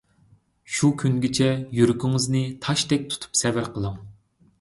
شۇ كۈنگىچە يۈرىكىڭىزنى تاشتەك تۇتۇپ سەۋر قىلىڭ!